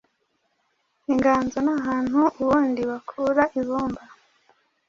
Inganzo ni ahantu ubundi bakura ibumba